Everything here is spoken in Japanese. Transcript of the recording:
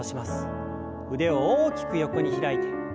腕を大きく横に開いて。